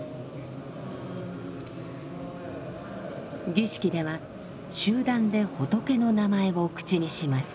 儀式では集団で仏の名前を口にします。